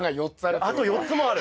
あと４つもある！